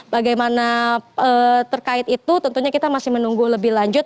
bagaimana terkait itu tentunya kita masih menunggu lebih lanjut